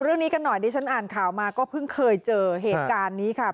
เรื่องนี้กันหน่อยดิฉันอ่านข่าวมาก็เพิ่งเคยเจอเหตุการณ์นี้ค่ะ